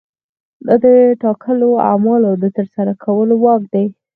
دا د ټاکلو اعمالو د ترسره کولو واک دی.